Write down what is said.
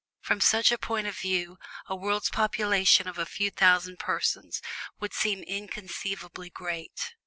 From such a point of view a world's population of a few thousand persons would have seemed inconceivably great.